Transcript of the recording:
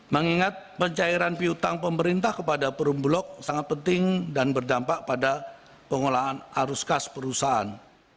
mengingat pencairan piutang pemerintah kepada perum bulog sangat penting dan berdampak pada pengolahan arus kas perusahaan